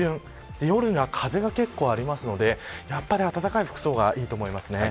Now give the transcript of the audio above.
夜には風が結構あるのでやはり暖かい服装がいいと思いますね。